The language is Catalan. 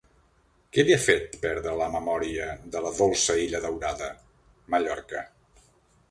Qui li ha fet perdre la memòria de la dolça illa daurada, Mallorca?